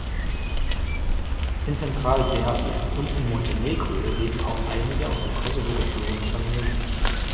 In Zentralserbien und in Montenegro leben auch einige aus dem Kosovo geflohene Familien.